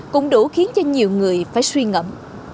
cũng đủ khiến cho nhiều người phải suy ngẩm